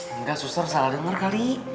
engga social nya salah denger kali